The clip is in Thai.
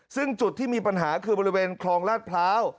ซึ่งจุดที่มีปัญหาคือบริเวณคลองลาดพร้าว